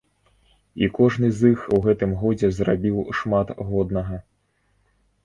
І кожны з іх у гэтым годзе зрабіў шмат годнага.